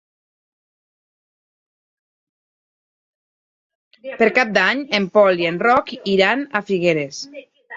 Per Cap d'Any en Pol i en Roc iran a Figueres.